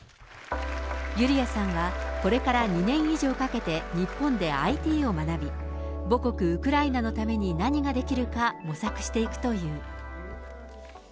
ユリアさんは、これから２年以上かけて日本でＩＴを学び、母国、ウクライナのために何ができるか模索していくという。